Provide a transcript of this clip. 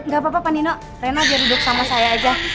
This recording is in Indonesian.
gapapa nino rina biar duduk sama saya aja